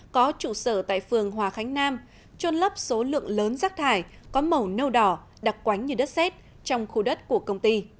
có trụ sở tại phường hòa khánh nam trôn lấp số lượng lớn rác thải có màu nâu đỏ đặc quánh như đất xét trong khu đất của công ty